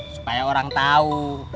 supaya orang tau